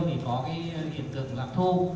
thì có hiện tượng lạm thu